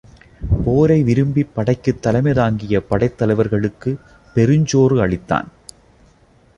போரை விரும்பிப் படைக்குத் தலைமை தாங்கிய படைத் தலைவர்களுக்குப் பெருஞ்சோறு அளித்தான்.